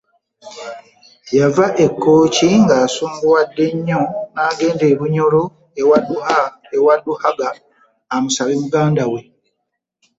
Yava e Kkooki ng’asunguwadde nnyo n’agenda e Bunyolo ewa Duhaga amusabe muganda we.